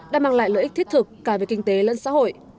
đã mang lại lợi ích thiết thực cả về kinh tế lẫn xã hội